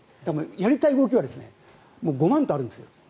やりたい動きはごまんとあるんですよ。